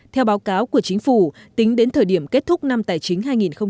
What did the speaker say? theo báo cáo của chính phủ tính đến thời điểm kết thúc năm tài chính hai nghìn hai mươi